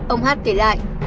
ông hát kể lại